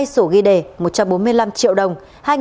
hai sổ ghi đề một trăm bốn mươi năm triệu đồng